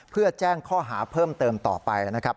เพื่อแจ้งข้อหาเพิ่มเติมต่อไปนะครับ